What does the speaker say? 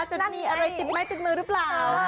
จะมีอะไรติดไม้ติดมือหรือเปล่า